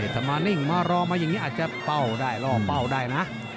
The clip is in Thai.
ถ้ามานิ่งมารอมาอย่างนี้อาจจะเป้าได้ล่อเป้าได้นะ